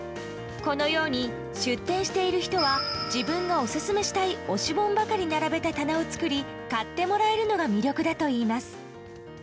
このように出店している人は自分のオススメしたい推し本ばかり並べた棚を作り買ってもらえるのが魅力だといいます。